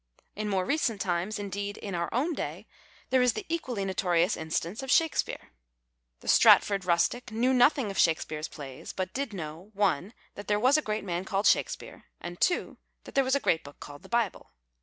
In more recent times, indeed in our own day, there is the ecpially notorious instance of Shakespeare. The Stratford rustic knew nothing of Shakespeare's plays, but did know (1) that there was a great man called Shakespeare, and (2) that there was a great book called the Bible.